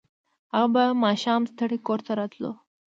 هغه به ماښام ستړی کور ته راتلو